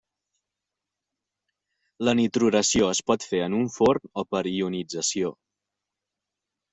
La nitruració es pot fer en un forn o per ionització.